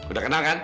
udah kenal kan